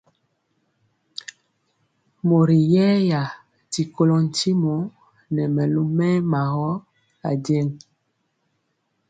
Mori yɛɛya ti kolɔ ntimɔ nɛ mɛlu mɛɛma gɔ ajeŋg.